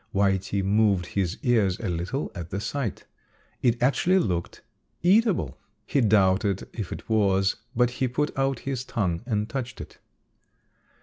Whitey moved his ears a little at the sight. It actually looked eatable. He doubted if it was, but he put out his tongue and touched it.